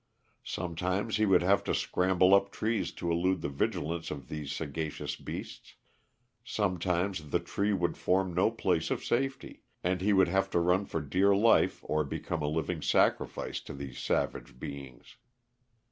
Sometimes he would have to scramble up trees to elude the vigilance of these sagacious beasts; sometimes the tree would form no place of safety, and he would have to run for dear life or become a living sacrifice to these savage beings.